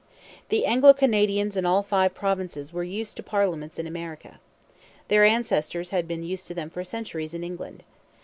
The Anglo Canadians in all five provinces were used to parliaments in America. Their ancestors had been used to them for centuries in England.